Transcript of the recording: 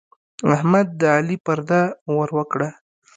احمد د علي پرده ور وکړه.